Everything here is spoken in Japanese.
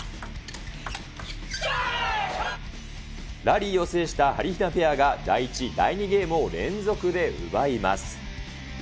ラリーを制したはりひなペアが、第１、第２ゲームを連続で奪います。